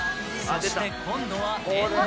そして、今度は遠藤。